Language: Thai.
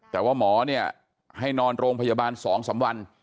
แต่ว่าหมอเนี่ยให้นอนโรงพยาบาล๒๓วัน